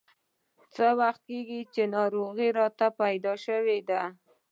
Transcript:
څه وخت کېږي چې ناروغي راته پیدا شوې ده.